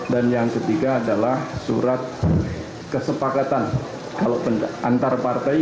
dan yang ketiga adalah surat kesepakatan antar partai